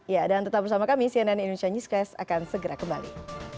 ya dan tetap bersama kami cnn indonesia newscast akan segera kembali